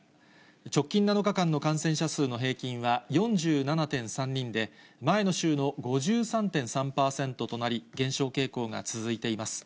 直近７日間の感染者数の平均は４７．３人で、前の週の５３．３％となり、減少傾向が続いています。